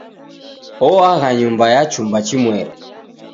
Oagha nyumba ya chumba chimweri.